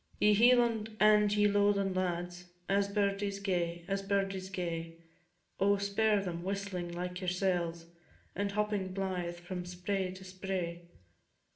Ye Hieland and ye Lowland lads, As birdies gay, as birdies gay, Oh, spare them, whistling like yoursel's, And hopping blythe from spray to spray!